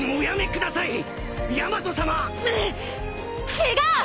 違う！